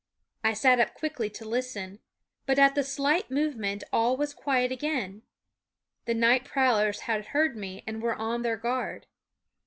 I sat up quickly to listen ; but at the slight movement all was quiet again. The night prowlers had heard me and were on their guard.